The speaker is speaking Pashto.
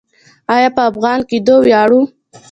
آیا په افغان کیدو ویاړو؟